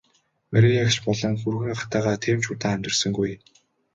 Мария эгч болон хүргэн ахтайгаа тийм ч удаан амьдарсангүй.